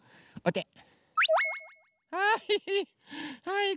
はい。